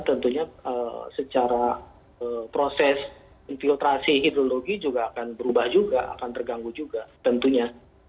tentunya secara proses infiltrasi hidrologi juga akan berubah juga akan terganggu juga tentunya